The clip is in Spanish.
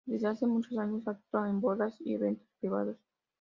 Desde hace muchos años actúa en bodas y eventos privados.